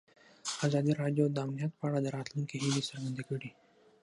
ازادي راډیو د امنیت په اړه د راتلونکي هیلې څرګندې کړې.